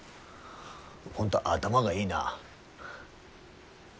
本当頭がいいな。